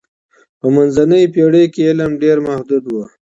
په منځنیو پېړیو کي علم ډېر محدود و.